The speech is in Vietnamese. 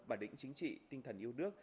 bản định chính trị tinh thần yêu nước